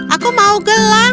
aku mau gelang